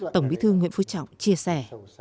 tổng bí thư nguyễn phú trọng chia sẻ